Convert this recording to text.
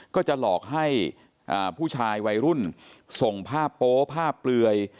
ก็จะหลอกให้ผู้ชายวัยรุ่นส่งภาพโป๊ภาพเปลือย